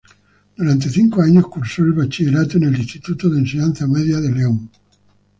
Durante cinco años cursó el Bachillerato en el Instituto de Enseñanzas Medias de León.